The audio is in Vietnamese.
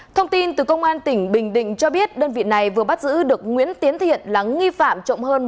thông tin từ công an tỉnh bình định cho biết đơn vị này vừa bắt giữ được nguyễn tiến thiện là nghi phạm trộm hơn